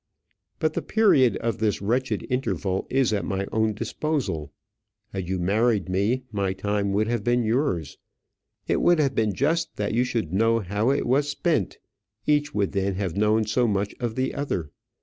But the period of this wretched interval is at my own disposal. Had you married me, my time would have been yours. It would have been just that you should know how it was spent. Each would then have known so much of the other.